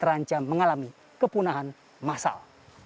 terancam mengalami kepunahan massal